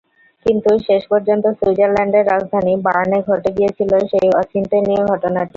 কিন্তু শেষ পর্যন্ত সুইজারল্যান্ডের রাজধানী বার্নে ঘটে গিয়েছিল সেই অচিন্তনীয় ঘটনাটিই।